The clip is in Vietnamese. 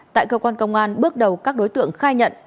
tại cơ quan công an bước đầu các đối tượng khai nhận